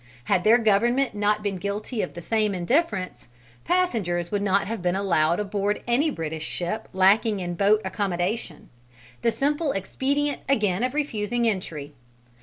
Had their government not been guilty of the same indifference, passengers would not have been allowed aboard any British ship lacking in boat accommodation the simple expedient again of refusing entry.